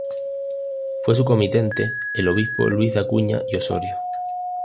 Fue su comitente el obispo Luis de Acuña y Osorio.